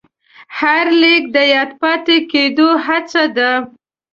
هر لیک د یاد پاتې کېدو هڅه ده.